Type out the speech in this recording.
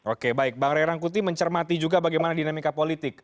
oke baik bang ray rangkuti mencermati juga bagaimana dinamika politik